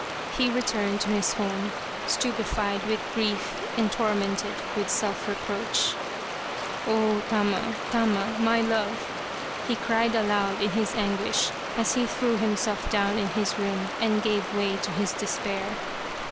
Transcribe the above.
He returned to his home stupefied with grief and tormented with self reproach. " Oh, Tama ! Tama ! My love !" he cried aloud in his anguish, as he threw himself down in his room and gave way to his despair.